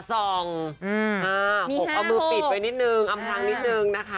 อสองเอามือปิดให้อมทางนิดนึงนะคะ